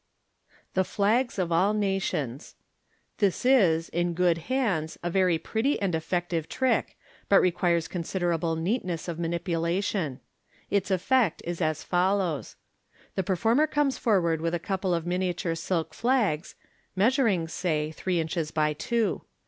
The Flags op all Nations. — This is, in good hands, a very pretty and effective trick, but requires considerable neatness of manipu lation. Its effect is as follows :— The performer comes forward with a couple of miniature silk flags, measuring, say, three inches by two.